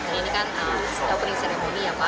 karena ini kan opening ceremony ya pak